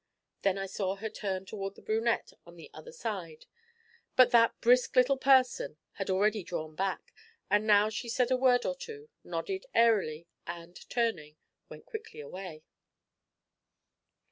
Then I saw her turn toward the brunette on the other side; but that brisk little person had already drawn back, and now she said a word or two, nodded airily, and, turning, went quickly away.